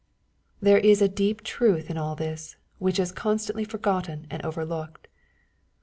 There is a deep truth in all this, which is constantly forgotten and overlooked.